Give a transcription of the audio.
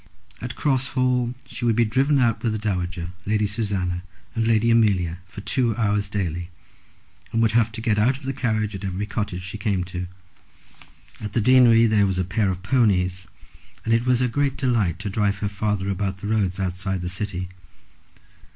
At Cross Hall she would be driven out with the Dowager, Lady Susanna, and Lady Amelia, for two hours daily, and would have to get out of the carriage at every cottage she came to. At the deanery there was a pair of ponies, and it was her great delight to drive her father about the roads outside the city.